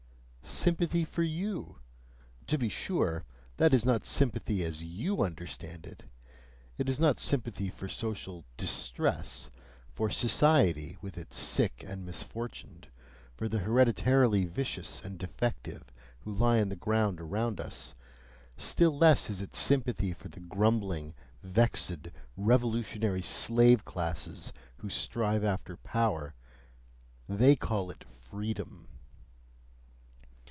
Sympathy for you! to be sure, that is not sympathy as you understand it: it is not sympathy for social "distress," for "society" with its sick and misfortuned, for the hereditarily vicious and defective who lie on the ground around us; still less is it sympathy for the grumbling, vexed, revolutionary slave classes who strive after power they call it "freedom."